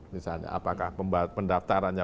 misalnya apakah pendaftarannya